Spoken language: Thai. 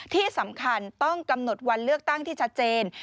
ที่สำคัญต้องกำหนดวันเลือกตั้งที่ชัดเจน